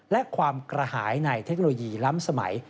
และความกระหายในเทคโนโลยีล้ำสมัย